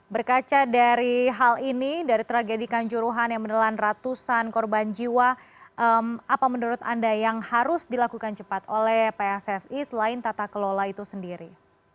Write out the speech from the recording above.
berkaca dari hal ini dari tragedi kanjuruhan yang menelan ratusan korban jiwa apa menurut anda yang harus dilakukan cepat oleh pssi selain tata kelola itu sendiri